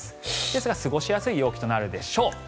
ですが、過ごしやすい陽気となるでしょう。